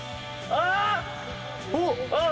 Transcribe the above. あっ。